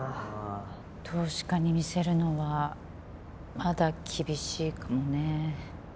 投資家に見せるのはまだ厳しいかもね。